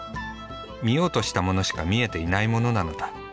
見ようとしたものしか見えていないものなのだ。